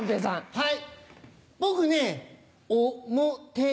はい。